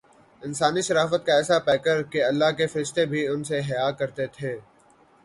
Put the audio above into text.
انسانی شرافت کاایسا پیکرکہ اللہ کے فرشتے بھی ان سے حیا کرتے تھے۔